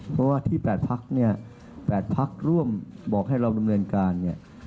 เพราะว่าที่๘พักเนี่ย๘พักร่วมบอกให้เราดำเนินการเนี่ย